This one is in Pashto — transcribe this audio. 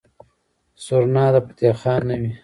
سورنا د فتح خان نه وي.